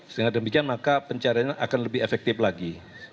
sehingga demikian maka pencariannya akan lebih efektif lagi